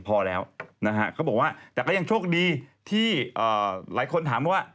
พอแล้วนะฮะเขาบอกว่าแต่ก็ยังโชคดีที่หลายคนถามว่า